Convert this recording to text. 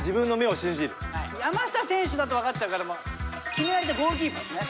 山下選手だと分かっちゃうから決められたゴールキーパーですね。